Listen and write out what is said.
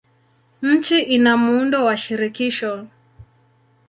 Nchi ina muundo wa shirikisho.